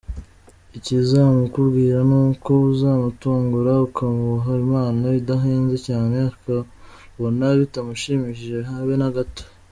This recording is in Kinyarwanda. Ikizamukubwira ni uko uzamutungura ukamuha impano idahenze cyane ukabona bitamushimishije habe na gato.